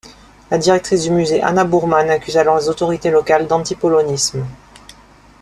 La directrice du musée, Anna Buchmann, accuse alors les autorités locales d'anti-polonisme.